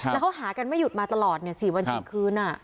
แล้วเขาหากันไม่หยุดมาตลอดเนี่ยสี่วันสี่คืนอ่ะ